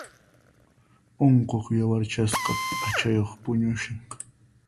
Unquq yawarchasqa p'achayuq puñushan.